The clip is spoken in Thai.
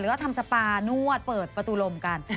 แล้วก็ทำสปานวดเปิดประตูลมกัน